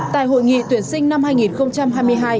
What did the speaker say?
tại hội nghị tuyển sinh năm hai nghìn hai mươi hai